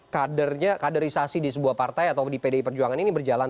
kadernya kaderisasi di sebuah partai atau di pdi perjuangan ini berjalan